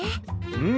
うん！